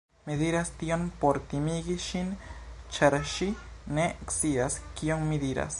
Mi diras tion por timigi ŝin, ĉar ŝi ne scias kion mi diras.